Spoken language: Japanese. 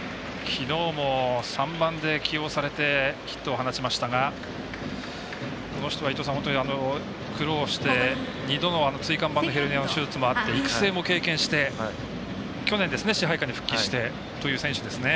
きのうも３番で起用されてヒットを放ちましたがこの人は本当に苦労して二度の椎間板ヘルニアの手術もあって育成も経験して去年支配下に復帰してという選手ですね。